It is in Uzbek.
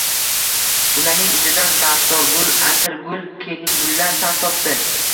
Ularning izidan dastorgul, atirgul, kelingullar saf tortdi.